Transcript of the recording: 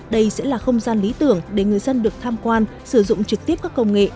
đây sẽ là không gian lý tưởng để người dân được tham quan sử dụng trực tiếp các công nghệ